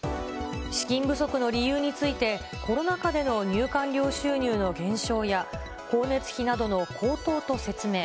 資金不足の理由について、コロナ禍での入館料収入の減少や、光熱費などの高騰と説明。